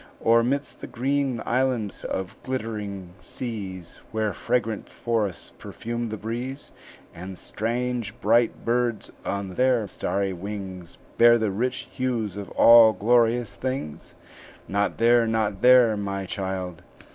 Or midst the green islands of glittering seas, Where fragrant forests perfume the breeze, And strange bright birds on their starry wings Bear the rich hues of all glorious things?" "Not there, not there, my child!"